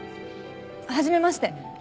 はじめまして。